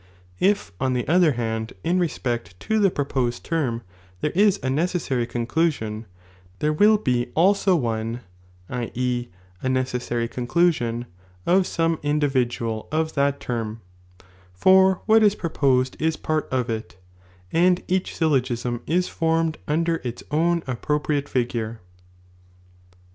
If, on the other hand, in respect to the proposed term, there is a necessary conclusion, thero will be also one (a neces sary conclusion) of some individunl of that term, for what is proposed ia pert of it, and each syllogism is formed under its own appropriate figure.